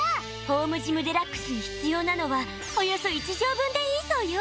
ホームジムＤＸに必要なのはおよそ１畳分でいいそうよ！